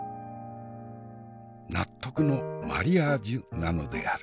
納得のマリアージュなのである。